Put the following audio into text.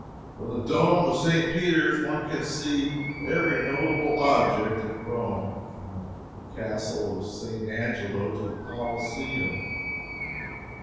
From the dome of St. Peter's one can see every notable object in Rome, from the Castle of St. Angelo to the Coliseum.